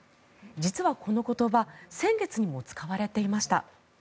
実はこの言葉先月にも使われていました。